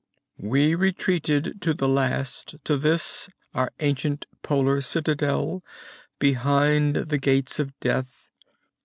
"We retreated at the last, to this our ancient polar citadel behind the Gates of Death.